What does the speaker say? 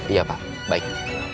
iya pak baik